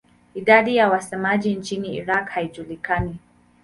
Idadi ya wasemaji nchini Iraq haijulikani.